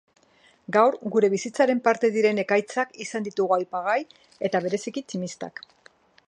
Gaur, gure bizitzaren parte diren ekaitzak izan ditugu aipagai eta bereziki tximistak.